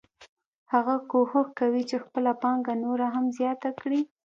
هغه کوښښ کوي چې خپله پانګه نوره هم زیاته کړي